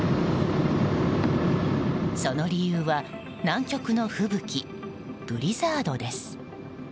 その理由は南極の吹雪ブリザードです。